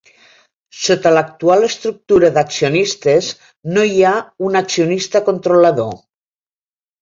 Sota l'actual estructura d'accionistes, no hi ha un accionista controlador.